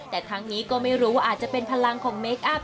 แต่ทั้งนี้ก็ไม่รู้ว่าอาจจะเป็นพลังของเมคอัพ